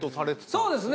そうですね。